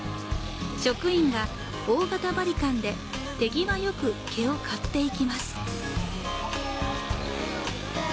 職員が大型バリカンで手際よく毛を刈っていきます。